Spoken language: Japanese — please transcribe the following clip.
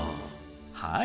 はい。